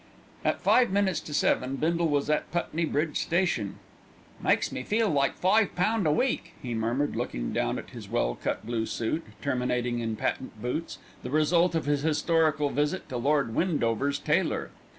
At five minutes to seven Bindle was at Putney Bridge Station. "Makes me feel like five pound a week," he murmured, looking down at his well cut blue suit, terminating in patent boots, the result of his historical visit to Lord Windover's tailor.